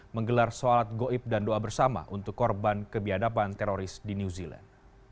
menggelar sholat goib dan doa bersama untuk korban kebiadaban teroris di new zealand